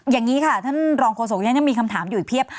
อย่างนี้ค่ะท่านรองโฆษกนี้ยังมีคำถามอยู่อีกเพียบ